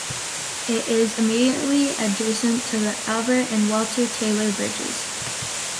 It is immediately adjacent to the Albert and Walter Taylor Bridges.